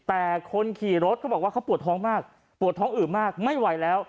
แต่คนขี่รถเขาบอกว่าเขาปวดท้องมากปวดท้องอื่มากไม่ไหวแล้ว